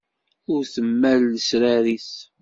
Ur temmal lesrar-is.